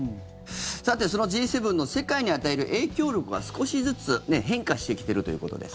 さて、そのＧ７の世界に与える影響力が少しずつ変化してきているということです。